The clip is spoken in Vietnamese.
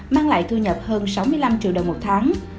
mang lại thu nhập hơn sáu mươi năm triệu đồng một tháng